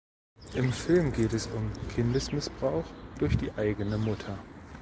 Im Film geht es um Kindesmissbrauch durch die eigene Mutter.